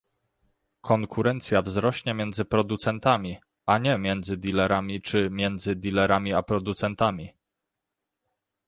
Konkurencja wzrośnie między producentami, a nie między dealerami, czy między dealerami a producentami